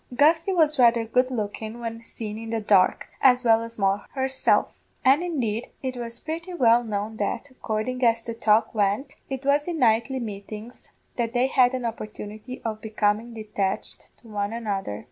Gusty was rather good lookin' when seen in the dark, as well as Moll herself; and, indeed, it was purty well known that accordin' as the talk went it was in nightly meetings that they had an opportunity of becomin' detached to one another.